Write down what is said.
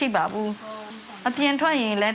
ท่านประธานครับนี่คือสิ่งที่สุดท้ายของท่านครับ